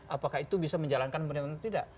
apakah itu bisa menjalankan pemerintahan atau tidak